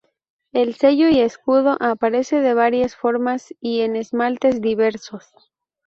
El sello y escudo aparece de varias formas y en esmaltes diversos.